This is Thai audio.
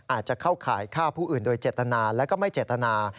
อาจจะเข้าข่ายฆ่าผู้อื่นโดยเจตนาและก็ไม่เจตนา